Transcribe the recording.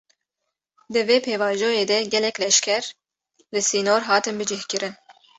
Di vê pêvajoyê de gelek leşker, li sînor hatin bicih kirin